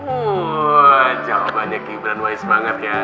wah jawabannya gibran wise banget ya